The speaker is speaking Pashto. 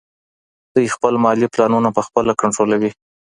دوی خپل مالي پلانونه پخپله کنټرولوي.